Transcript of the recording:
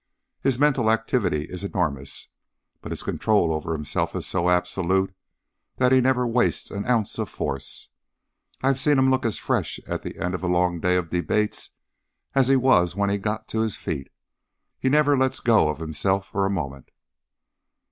His mental activity is enormous, but his control over himself is so absolute that he never wastes an ounce of force. I've seen him look as fresh at the end of a long day of debate as he was when he got on his feet. He never lets go of himself for a moment."